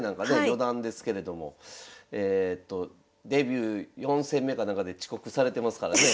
四段ですけれどもデビュー４戦目かなんかで遅刻されてますからね。